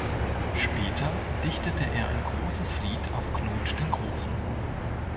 Später dichtete er ein großes Lied auf Knut den Großen.